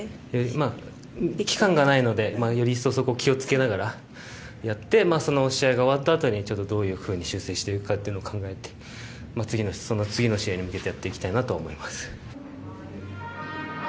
まあ期間がないのでより一層そこを気を付けながらやってその試合が終わったあとにどういう風に修正していくかっていうのを考えてその次の試合に向けてやっていきたいなと思います。